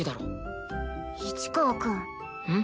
市川くん。